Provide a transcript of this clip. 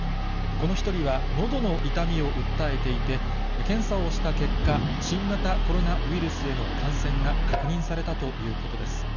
この１人はのどの痛みを訴えていて、検査をした結果、新型コロナウイルスへの感染が確認されたということです。